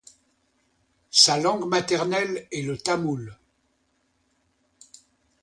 Sa langue maternelle est le tamoul.